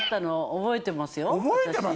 覚えてます？